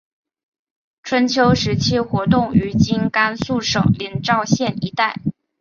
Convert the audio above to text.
春秋时期活动于今甘肃省临洮县一带。